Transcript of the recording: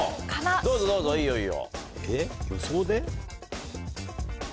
どうぞどうぞいいよいいよ。